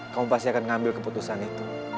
kamu pasti akan mengambil keputusan itu